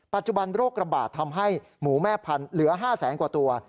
ปัจจุบันโรคระบาดทำให้หมูแม่พันธุ์เหลือ๕แสนกว่าตัว